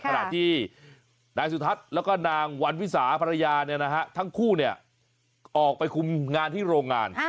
นางสุทัศน์แล้วก็นางวันวิสาภรรยาเนี่ยนะฮะทั้งคู่เนี่ยออกไปคุมงานที่โรงงาน